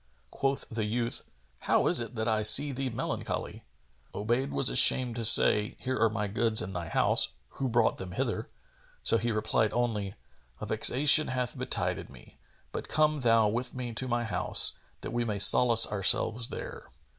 Quoth the youth, "How is it that I see thee melancholy?" Obayd was ashamed to say, "Here are my goods in thy house: who brought them hither?"; so he replied only, "A vexation hath betided me; but come thou with me to my house, that we may solace ourselves there."